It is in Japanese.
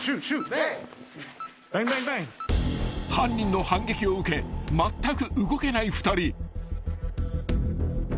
［犯人の反撃を受けまったく動けない２人］